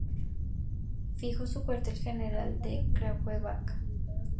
Fijó su cuartel general en Kragujevac.